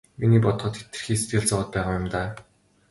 Миний бодоход хэтэрхий сэтгэл зовоод байгаа юм уу даа.